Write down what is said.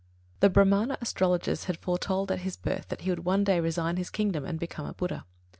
The Brāhmana astrologers had foretold at his birth that he would one day resign his kingdom and, become a BUDDHA.